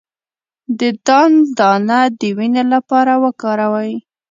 د دال دانه د وینې لپاره وکاروئ